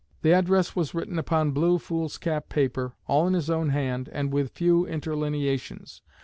The address was written upon blue foolscap paper, all in his own hand, and with few interlineations.